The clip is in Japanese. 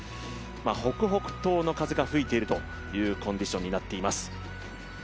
北北東の風が吹いているというコンディションになっています。